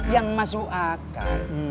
yang masuk akal